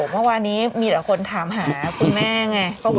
เมื่อวานนี้มีแต่คนถามคุณแม่ไง